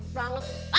udah nggak apa apa udah